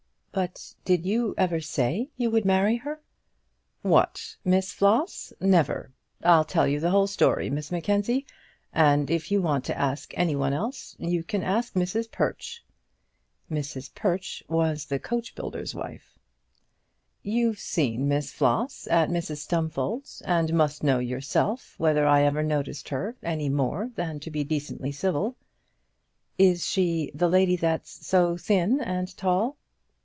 "But did you ever say you would marry her?" "What! Miss Floss, never! I'll tell you the whole story, Miss Mackenzie; and if you want to ask any one else, you can ask Mrs Perch." Mrs Perch was the coachbuilder's wife. "You've seen Miss Floss at Mrs Stumfold's, and must know yourself whether I ever noticed her any more than to be decently civil." "Is she the lady that's so thin and tall?"